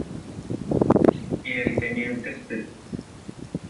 Y el Teniente St.